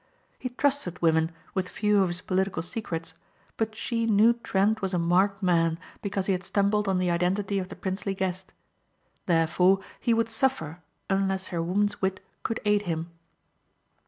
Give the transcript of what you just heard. He trusted women with few of his political secrets but she knew Trent was a marked man because he had stumbled on the identity of the princely guest. Therefore he would suffer unless her woman's wit could aid him.